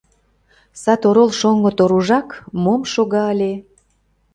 Сад орол шоҥго Торужак мом шога ыле.